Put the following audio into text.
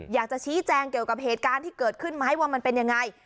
อยากจะชี้แจงเกี่ยวกับเหตุการณ์ที่เกิดขึ้นไหมว่ามันเป็นยังไง